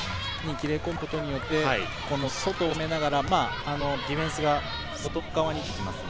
中に切れ込むことによって外を攻めながらディフェンスが外側に出ていきますので。